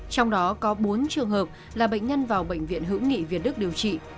trong đó có bốn trường hợp là bệnh nhân vào bệnh viện hữu nghị việt đức điều trị